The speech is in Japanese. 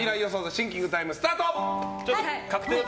シンキングタイムスタート！